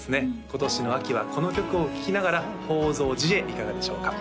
今年の秋はこの曲を聴きながら寳蔵寺へいかがでしょうか？